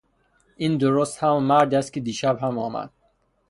این درست همان مردی است که دیشب هم آمد.